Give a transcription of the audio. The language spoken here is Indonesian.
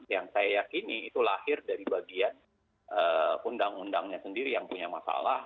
yang saya yakini itu lahir dari bagian undang undangnya sendiri yang punya masalah